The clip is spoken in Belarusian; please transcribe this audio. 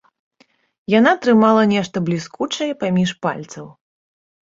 Яна трымала нешта бліскучае паміж пальцаў.